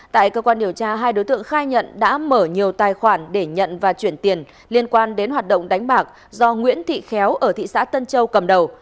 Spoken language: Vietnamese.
tại cơ quan điều tra hai đối tượng khai nhận đã mở nhiều tài khoản để nhận và chuyển tiền liên quan đến hoạt động đánh bạc do nguyễn thị khéo ở thị xã tân châu cầm đầu